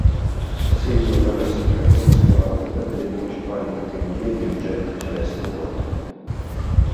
Segue una classificazione schematica delle principali categorie di oggetti celesti note.